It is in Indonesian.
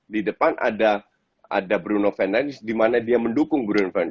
di depan ada bruno fernandes di mana dia mendukung bruno fernandes